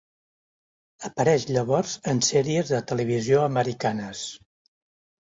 Apareix llavors en sèries de televisió americanes.